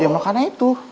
ya makannya itu